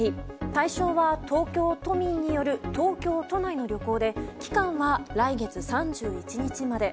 対象は東京都民による東京都内の旅行で期間は来月３１日まで。